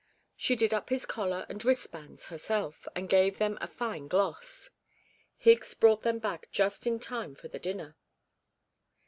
She did up his collar and wristbands herself, and gave them a fine gloss. Higgs brought them back just in time for the dinner.